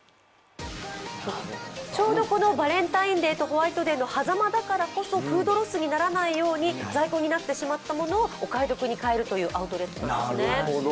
ちょうどバレンタインデーとホワイトデーの狭間だからこそフードロスにならないように在庫になってしまったものをお買い得に買えるというんですね。